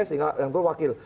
sehingga yang itu wakil